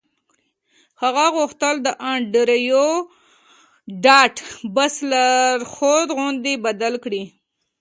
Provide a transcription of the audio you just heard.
هغه غوښتل د انډریو ډاټ باس لارښود توغندی بدل کړي